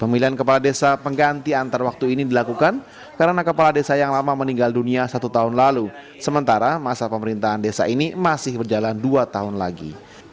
pemilihan kepala desa pengganti antar waktu ini dilakukan karena kepala desa yang lama meninggal dunia satu tahun lalu sementara masa pemerintahan desa ini masih berjalan dua tahun lagi